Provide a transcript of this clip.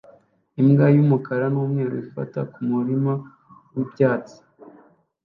Imbwa y'umukara n'umweru ifata kumurima wibyatsi